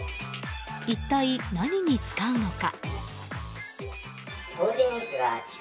一体何に使うのか？